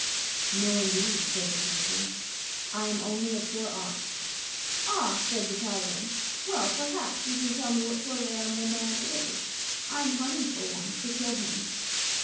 "No, indeed," said the creature, "I am only a poor Ox." " Ah !" said the Tiger. " Well, perhaps you can tell me what sort of an animal Man is. I am hunting for one, to kill him."